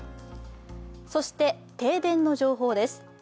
そして停電の情報です。